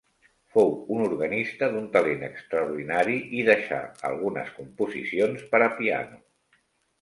Fou un organista d'un talent extraordinari i deixà algunes composicions per a piano.